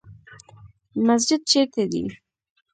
مسجد چیرته دی؟